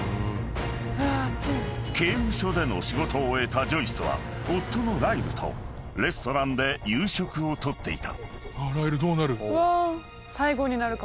［刑務所での仕事を終えたジョイスは夫のライルとレストランで夕食を取っていた］